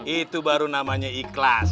itu baru namanya ikhlas